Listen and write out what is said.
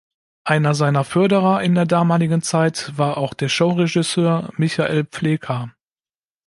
Einer seiner Förderer in der damaligen Zeit war auch der Show-Regisseur Michael Pfleghar.